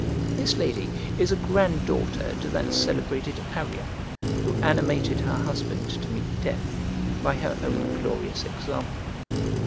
This lady is a grand daughter to that celebrated Arria, who animated her husband to meet death, by her own glorious example.